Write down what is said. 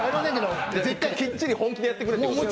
きっちり本気でやってくれと。